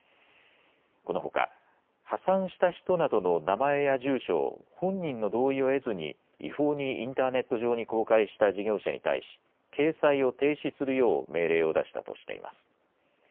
このほか破産した人などの名前や住所を本人の同意を得ずに違法にインターネット上に公開した事業者に対し掲載を停止するよう命令を出したとしています。